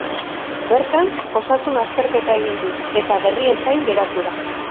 Bertan, osasun-azterketa egin du, eta berrien zain geratu da.